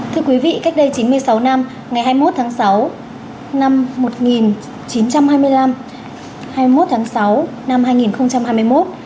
thưa quý vị cách đây chín mươi sáu năm ngày hai mươi một tháng sáu năm một nghìn chín trăm hai mươi năm hai mươi một tháng sáu năm hai nghìn hai mươi một